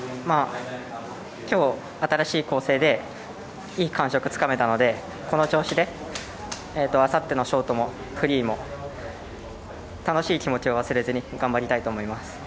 今日、新しい構成でいい感触をつかめたのでこの調子であさってのショートもフリーも楽しい気持ちを忘れずに頑張りたいと思います。